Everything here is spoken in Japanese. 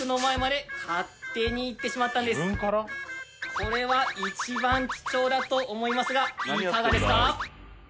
これは一番貴重だと思いますがいかがですか？